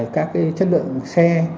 các chất lượng xe